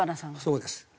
そうです。